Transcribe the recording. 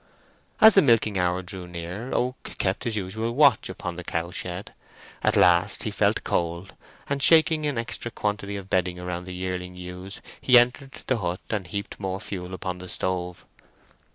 As the milking hour drew near, Oak kept his usual watch upon the cowshed. At last he felt cold, and shaking an extra quantity of bedding round the yearling ewes he entered the hut and heaped more fuel upon the stove.